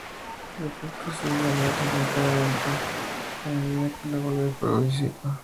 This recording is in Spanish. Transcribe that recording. El efecto se desvanece lentamente a medida que la bola de fuego se disipa.